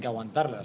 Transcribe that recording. ada yang terjadi